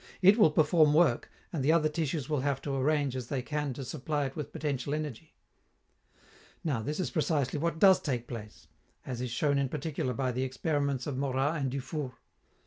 It will perform work, and the other tissues will have to arrange as they can to supply it with potential energy. Now, this is precisely what does take place, as is shown in particular by the experiments of Morat and Dufourt.